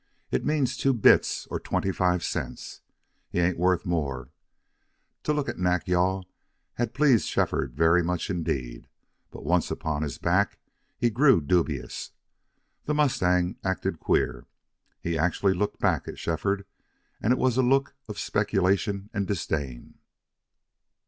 "It means two bits, or twenty five cents. He ain't worth more." To look at Nack yal had pleased Shefford very much indeed, but, once upon his back, he grew dubious. The mustang acted queer. He actually looked back at Shefford, and it was a look of speculation and disdain.